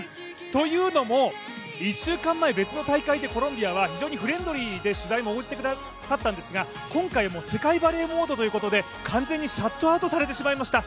というのも一週間前別の大会でコロンビアは非常にフレンドリーで取材に応じてくださったんですが、今回はもう世界バレーモードということで完全にシャットアウトされてしまいました。